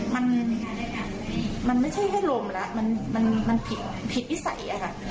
มันมีการมันไม่ใช่ให้ลมแล้วมันมันผิดผิดวิสัยอะค่ะ